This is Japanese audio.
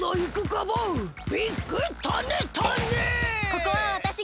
ここはわたしが！